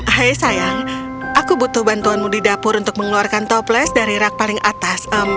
hei sayang aku butuh bantuanmu di dapur untuk mengeluarkan toples dari rak paling atas